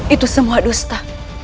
itu semua dusta